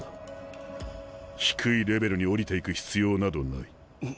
低いレベルに下りていく必要などない。